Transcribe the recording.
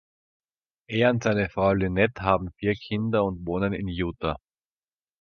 Er und seine Frau Lynette haben vier Kinder und wohnen in Utah.